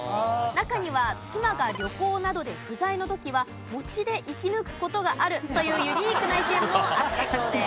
中には妻が旅行などで不在の時は餅で生き抜く事があるというユニークな意見もあったそうです。